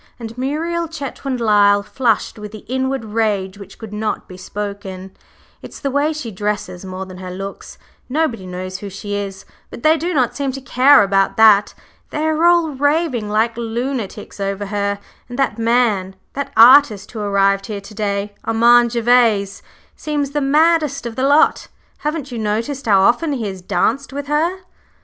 and Muriel Chetwynd Lyle flushed with the inward rage which could not be spoken. "It's the way she dresses more than her looks. Nobody knows who she is but they do not seem to care about that. They are all raving like lunatics over her, and that man that artist who arrived here to day, Armand Gervase, seems the maddest of the lot. Haven't you noticed how often he has danced with her?"